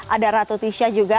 ada ratu tisha juga